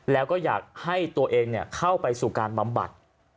แล้วก็อยากให้ตัวเองเข้าไปสู่การบำบัด